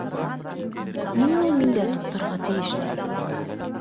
Ниңә ул миндә туҡтарға тейеш, ти.